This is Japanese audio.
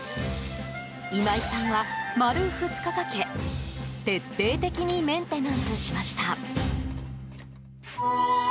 今井さんは、丸２日かけ徹底的にメンテナンスしました。